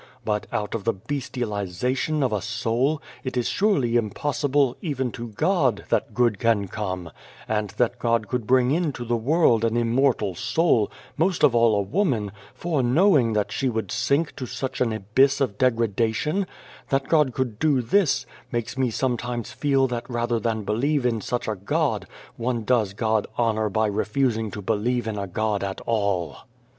But out of the bestialisation of a soul, it is surely impossible, even to God, that good can come ; and that God could bring into the world 118 The Face Beyond the Door an immortal soul, most of all a woman, fore knowing that she would sink to such an abyss of degradation, that God could do this, makes me sometimes feel that rather than believe in such a God, one does God honour by refusing to believe in a God at all."